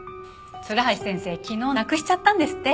鶴橋先生昨日なくしちゃったんですって。